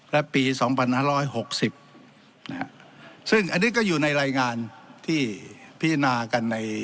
และปีสองพันหาร้อยหกสิบนะฮะซึ่งอันนี้ก็อยู่ในรายงานที่พินากันใน